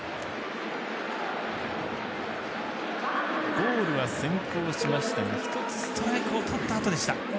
ボールは先行しましたが１つストライクをとったあとでした。